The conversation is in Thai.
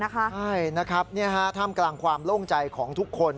ใช่ท่ามกลางความโล่งใจของทุกคน